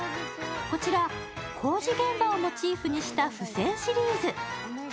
こちら工事現場をモチーフにした付箋シリーズ。